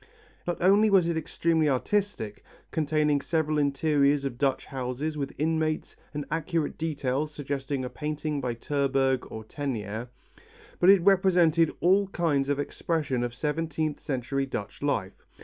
Not only was it extremely artistic, containing several interiors of Dutch houses with inmates and accurate details suggesting a painting by Terburg or Teniers, but it represented all kinds of expression of seventeenth century Dutch life.